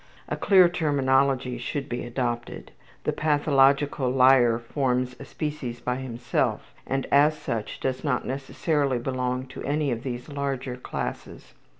A clear terminology should be adopted. The pathological liar forms a species by himself and as such does not necessarily belong to any of these larger classes.